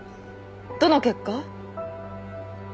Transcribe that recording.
どの結果？